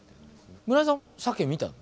村井さん鮭見たの？